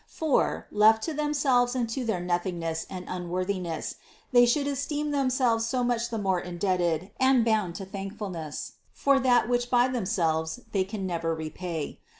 For, left to themselves and to their nothingness and unworthiness, they should esteem themselves so much the more indebted and bound to thankfulness for that which by themselves they can never repay.